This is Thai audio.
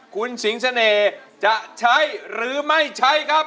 คุณสิงเสน่ห์จะใช้หรือไม่ใช้ครับ